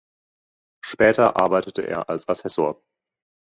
Später arbeitete er als Assessor.